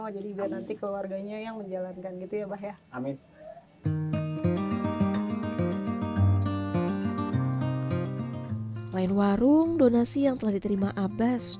jadi biar nanti keluarganya yang menjalankan gitu ya ya abbas